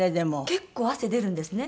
結構汗出るんですね。